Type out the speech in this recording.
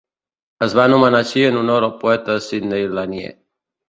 Es va anomenar així en honor al poeta Sidney Lanier.